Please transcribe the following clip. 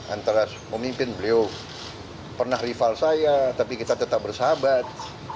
antara pemimpin beliau pernah rival saya tapi kita tetap bersahabat